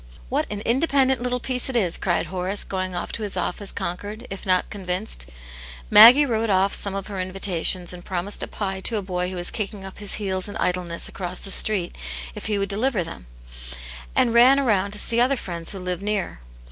"What an independent little piece it is!" cried Horace, going off to his office conquered, if not Convinced. Maggie wrote off some of her invitations, and promised a pie to a boy who was kicking up his heels in idleness across the street if he would deliver them ; and ran round to see other friends who lived near.